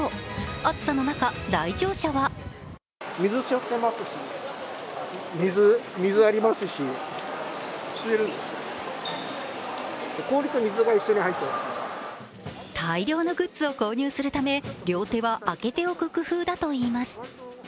暑さの中、来場者は大量のグッズを購入するため両手は空けておく工夫だといいます。